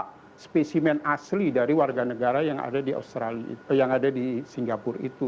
minta spesimen asli dari warga negara yang ada di singapura itu